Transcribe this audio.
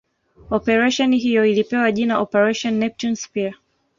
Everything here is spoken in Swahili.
Operesheni hiyo ilipewa jina Operation Neptune Spear